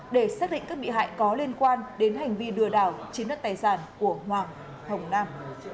để xác định các bị hại có liên quan đến hành vi lừa đảo chiếm đất tài sản của hoàng hồng nam